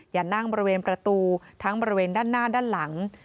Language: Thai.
อย่านั่งบริเวณประตูทั้งบริเวณด้านหน้าด้านหลัง